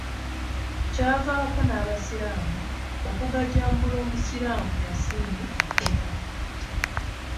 Kyavaako n'Abasiraamu okugajambula Omusiraamu Yasin Kakomo.